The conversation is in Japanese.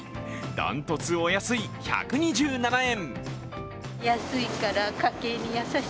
ダントツお安い１２７円。